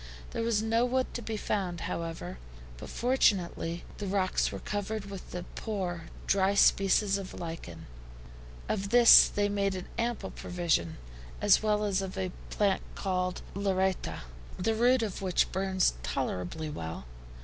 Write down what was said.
There was no wood to be found, however, but fortunately the rocks were covered with a poor, dry species of lichen. Of this they made an ample provision, as well as of a plant called LLARETTA, the root of which burns tolerably well.